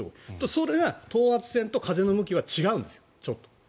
それが等圧線と風の向きは違うんです、ちょっと。